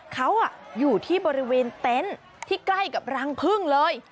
เขาอยู่ที่บริเวณเต็นต์ที่ใกล้กับรังพึ่งเลย